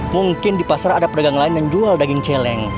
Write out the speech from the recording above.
mungkin di pasar ada pedagang lain yang jual daging celeng